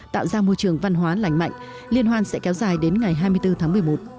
tạo ra môi trường văn hóa lành mạnh liên hoan sẽ kéo dài đến ngày hai mươi bốn tháng một mươi một